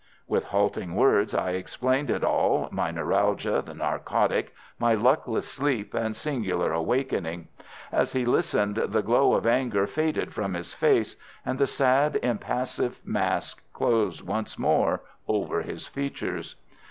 With halting words I explained it all, my neuralgia, the narcotic, my luckless sleep and singular awakening. As he listened the glow of anger faded from his face, and the sad, impassive mask closed once more over his features.